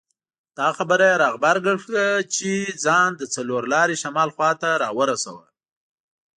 دا خبره یې را غبرګه کړه چې ځان د څلور لارې شمال خواته راورساوه.